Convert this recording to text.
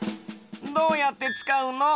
どうやってつかうの？